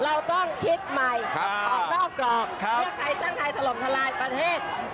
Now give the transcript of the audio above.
เราต้องคิดใหม่ออกนอกกรอบเพื่อไทยสร้างไทยถล่มทลายประเทศ